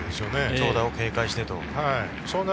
長打を警戒してですね。